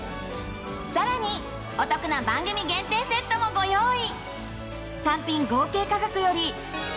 さらにお得な番組限定セットもご用意。